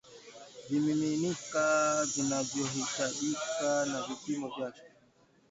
vimiminika vinavyohitajika na vipimo vyake